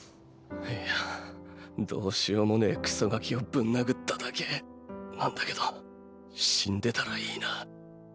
イヤどうしようもねぇクソガキをぶん殴っただけなんだけど死んでたらいいな。